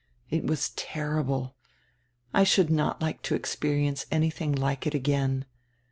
It was terrible. I should not like to experi ence anything like it again.